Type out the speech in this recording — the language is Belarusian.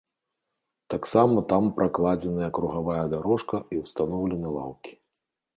Таксама там пракладзеная кругавая дарожка і ўстаноўлены лаўкі.